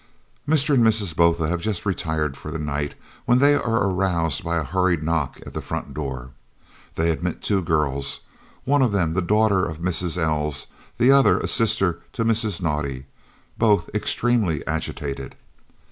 Mr. and Mrs. Botha have just retired for the night, when they are aroused by a hurried knock at the front door. They admit two girls, one of them the daughter of Mrs. Els, the other a sister to Mrs. Naudé, both extremely agitated.